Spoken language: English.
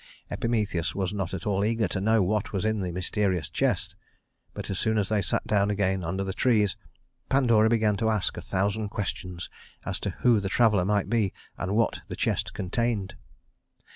Epimetheus was not at all eager to know what was in the mysterious chest; but as soon as they sat down again under the trees, Pandora began to ask a thousand questions as to who the traveler might be and what the chest contained.